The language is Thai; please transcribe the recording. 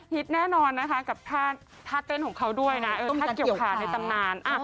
แน่นอนนะคะกับท่าเต้นของเขาด้วยนะถ้าเกี่ยวขาในตำนาน